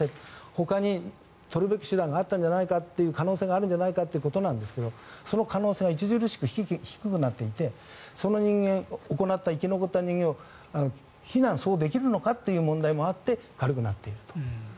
ほかに取るべき手段があったのではという可能性があったのではということですがその可能性が著しく低くなっていてその人間行った、生き残った人間を非難、そうできるのかという問題もあって軽くなっていると。